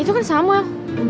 itu kan samuel